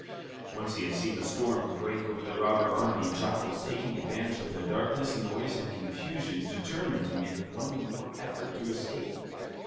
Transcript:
Once he had seen the storm break over the robber army, Giles, taking advantage of the darkness, noise, and confusion, determined to make one more effort to escape.